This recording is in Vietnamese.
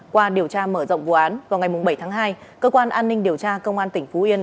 qua điều tra mở rộng vụ án vào ngày bảy tháng hai cơ quan an ninh điều tra công an tỉnh phú yên